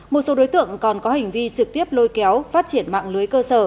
một số đối tượng còn có hành vi trực tiếp lôi kéo phát triển mạng lưới cơ sở